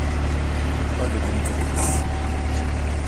Pas de délicatesse.